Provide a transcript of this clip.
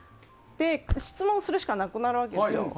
質問するしかなくなるわけです。